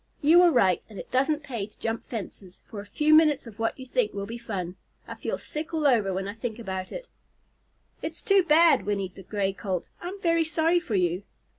You were right, and it doesn't pay to jump fences for a few minutes of what you think will be fun. I feel sick all over when I think about it." "It's too bad," whinnied the Gray Colt. "I'm very sorry for you."